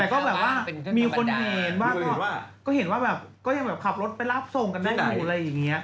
แต่ก็แบบว่ามีคนเห็นว่าก็เห็นว่าแบบก็ยังแบบขับรถไปรับส่งกันได้อยู่อะไรอย่างนี้